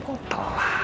kok telat lo